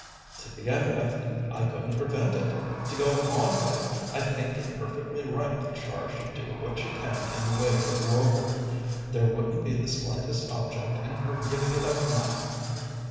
"To begin with, I couldn't prevent it. To go on with, I think it perfectly right that Char should do what she can in the way of war work. There wouldn't be the slightest object in her giving it up now."